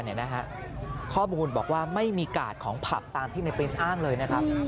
เพราะบุคคลบอกว่าไม่มีกาดของผับตามที่นายพรินซอ้างเลยนะครับ